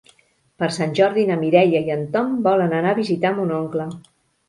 Per Sant Jordi na Mireia i en Tom volen anar a visitar mon oncle.